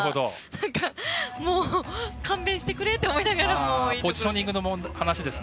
なんか、もう勘弁してくれと思いながらも。